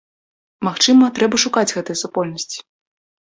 Магчыма, трэба шукаць гэтыя супольнасці.